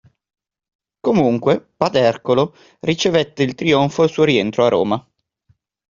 Comunque, Patercolo ricevette il trionfo al suo rientro a Roma.